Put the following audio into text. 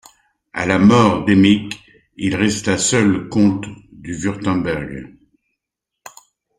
À la mort d'Emich, il resta seul comte du Wurtemberg.